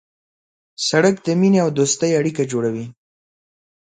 سړک د مینې او دوستۍ اړیکه جوړوي.